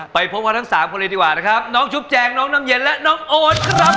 ไปพบกันทั้งสามคนเลยดีกว่านะครับน้องชุบแจงน้องน้ำเย็นและน้องโอ๊ตครับ